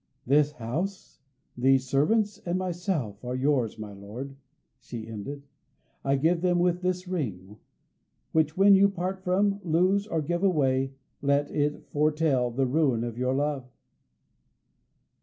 "This house, these servants, and myself are yours, my lord," she ended. "I give them with this ring, which when you part from, lose, or give away, let it foretell the ruin of your love."